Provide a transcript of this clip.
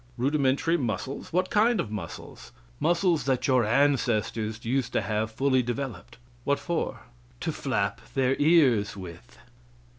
"Rudimentary muscles." "What kind of muscles?" "Muscles that your ancestors used to have fully developed." "What for?" "To flap their ears with."